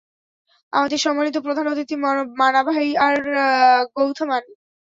আমাদের সম্মানিত প্রধান অতিথি মানাভাই আর গৌথামান।